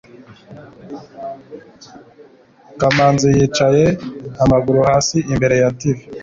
kamanzi yicaye amaguru hasi imbere ya tv